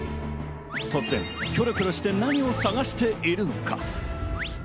突然キョロキョロして、何を探しているのか？